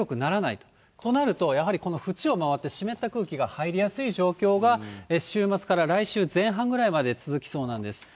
となるとやはり、この縁を回って、湿った空気が入りやすい状況が週末から来週前半ぐらいまで続きそうなんです。